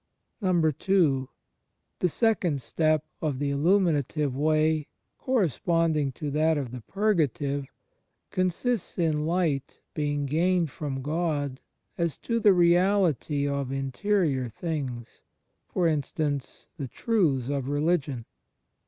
II. The second step of the Illuminative Way — cor responding to that of the Purgative — consists in light being gained from Gk)d as to the reality of interior things — for instance, the truths of religion.